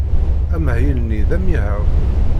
Amahil-nni d amihaw.